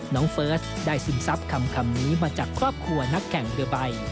น้องเฟิร์ตได้สินทรัพย์คำนี้มาจากครอบครัวนักแข่งเดอะไบ